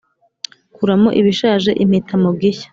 kuramo ibishaje, impeta mu gishya,